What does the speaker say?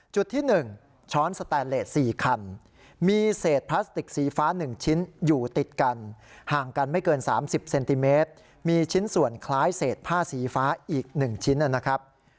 จุดที่๑ช้อนสแตนเลส๔คันมีเศษพลาสติกสีฟ้า๑ชิ้นอยู่ติดกันห่างกันไม่เกิน๓๐เซนติเมตรมีชิ้นส่วนคล้ายเศษผ้าสีฟ้าอีก๑ชิ้นนะครับ